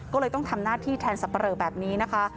ก็เลยต้องทำหน้าที่แทนสับปะเลอแบบนี้นะคะ